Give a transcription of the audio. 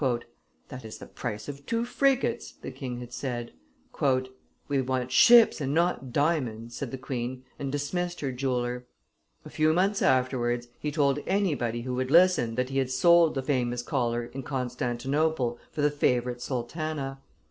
"That is the price of two frigates," the king had said. "We want ships and not diamonds," said the queen, and dismissed her jeweller. A few months afterwards he told anybody who would listen that he had sold the famous collar in Constantinople for the favorite sultana.